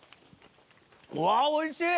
うわおいしい！